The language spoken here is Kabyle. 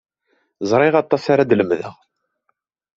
Ẓriɣ aṭas ara d-lemdeɣ.